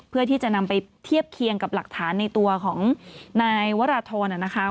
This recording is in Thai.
เพื่อที่จะนำไปเทียบเคียงกับหลักฐานในตัวของนายวราธรนะคะ